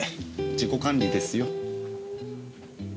自己管理ですよ。